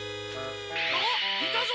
あっいたぞ！